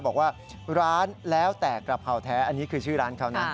บอกว่าร้านแล้วแต่กระเพราแท้อันนี้คือชื่อร้านเขานะ